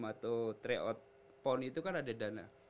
atau tryout pond itu kan ada dana